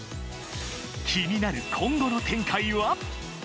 気になる今後の展開は。